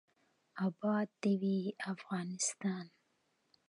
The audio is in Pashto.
اباد دې وي افغانستان.